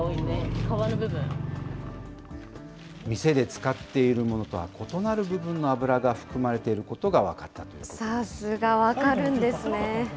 店で使っているものとは異なる部分の脂が含まれていることがさすが、分かるんですね。